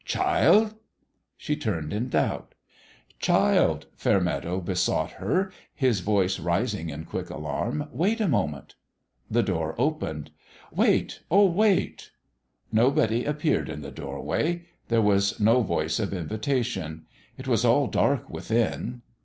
" Child !" She turned in doubt. "Child!" Fairmeadow besought her, his voice rising in quick alarm. "Wait a mo ment !" The door opened. " Wait oh, wait !" Nobody appeared in the doorway. There was 58 SOWN JN DISHONOUR no voice of invitation. It was all dark within.